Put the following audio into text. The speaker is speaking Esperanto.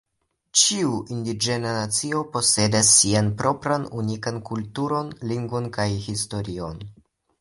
Ĉiu indiĝena nacio posedas sian propran unikan kulturon, lingvon, kaj historion.